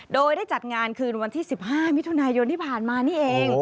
โดยได้จัดงานคืนวันที่๑๕มิถุนายนที่ผ่านมานี่เอง